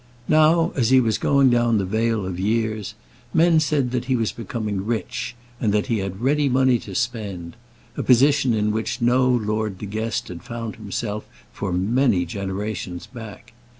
Now, as he was going down the vale of years, men said that he was becoming rich, and that he had ready money to spend, a position in which no Lord De Guest had found himself for many generations back.